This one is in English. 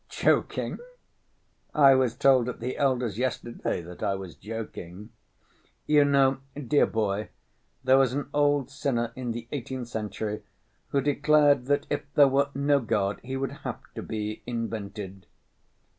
"Joking? I was told at the elder's yesterday that I was joking. You know, dear boy, there was an old sinner in the eighteenth century who declared that, if there were no God, he would have to be invented.